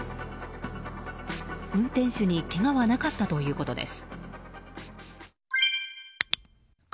運転手にけがはなかったということです。